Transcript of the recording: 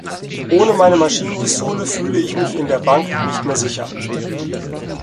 Ohne meine Maschinenpistole fühle ich mich in der Bank nicht mehr sicher.